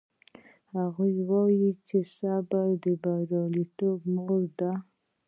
هغوی وایي چې صبر د بریالیتوب مور ده